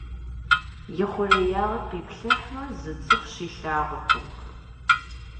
Ихъуреягъыр къиплъыхьмэ, зы цӀыху щилъагъуркъым.